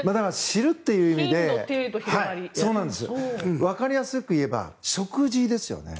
知るという意味でわかりやすく言えば食事ですよね。